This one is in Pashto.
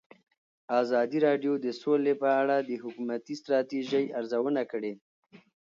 ازادي راډیو د سوله په اړه د حکومتي ستراتیژۍ ارزونه کړې.